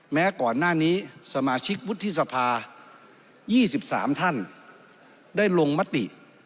แม้ก่อนหน้านี้สมาชิกวุฒิสภา๒๓ท่านได้ลงมติ